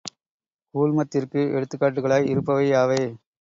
கூழ்மத்திற்கு எடுத்துக்காட்டுகளாய் இருப்பவை யாவை?